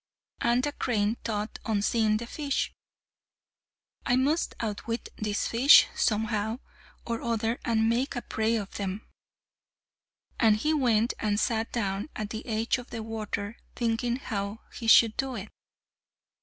And a crane thought on seeing the fish: "I must outwit these fish somehow or other and make a prey of them." And he went and sat down at the edge of the water, thinking how he should do it.